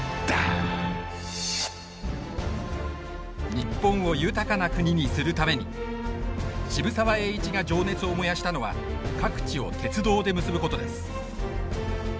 日本を豊かな国にするために渋沢栄一が情熱を燃やしたのは各地を鉄道で結ぶことです。